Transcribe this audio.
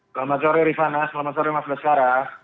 selamat sore rifana selamat sore mas baskara